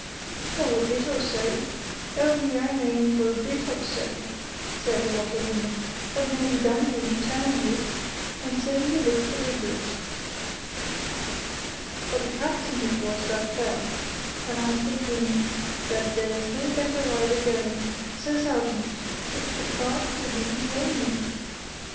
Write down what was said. "For a bit or so—only I mane for a bit or so," said the washerwoman; "but Major Dunwoodie turned you, and so you licked the rig'lars. But the captain it was that fell, and I'm thinking that there's no better rider going; so, sargeant, it's the cart will be convanient.